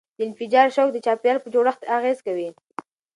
د انفجار شوک د چاپیریال په جوړښت اغېزه کوي.